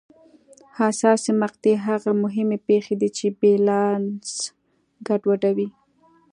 حساسې مقطعې هغه مهمې پېښې دي چې بیلانس ګډوډوي.